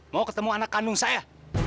mau ketemu anak kandung saya